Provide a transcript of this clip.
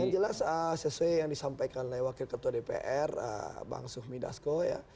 yang jelas sesuai yang disampaikan oleh wakil ketua dpr bang suhmi dasko ya